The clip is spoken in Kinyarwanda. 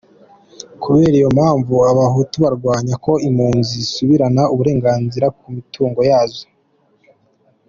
Kubera iyo mpamvu, abahutu bararwanya ko impunzi zisubirana uburenganzira ku mitungo yazo.